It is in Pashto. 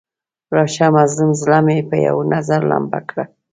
راشه مظلوم زړه مې په یو نظر لمبه کړه.